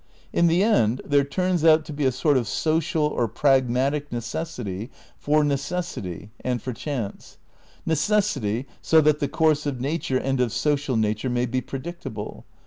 In the end there turns out to be a sort of social or pragmatic necessity for necessity (and for chance). Necessity so that the course of nature and of social nature may be predictable.